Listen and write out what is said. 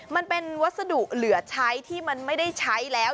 มันเป็นวัสดุเหลือใช้ที่มันไม่ได้ใช้แล้ว